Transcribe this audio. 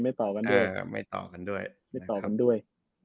ไม่ต่อกันด้วย